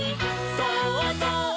「そうぞう！」